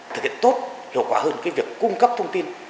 thực hiện tốt hiệu quả hơn việc cung cấp thông tin